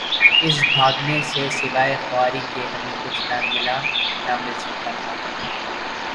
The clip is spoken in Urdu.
اس بھاگنے سے سوائے خواری کے ہمیں کچھ نہ ملا... نہ مل سکتاتھا۔